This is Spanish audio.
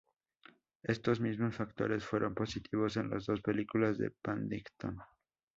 Esos mismos factores fueron positivos en las dos películas de "Paddington".